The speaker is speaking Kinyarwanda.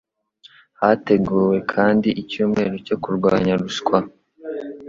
Hateguwe kandi icyumweru cyo kurwanya ruswa